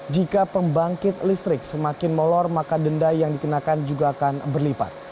jika pembangkit listrik semakin molor maka denda yang dikenakan juga akan berlipat